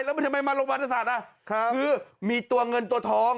แล้วมันทำไมมาลงบรรทศาสตร์น่ะคือมีตัวเงินตัวทอง